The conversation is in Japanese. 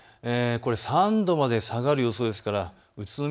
３度まで下がる予想ですから宇都宮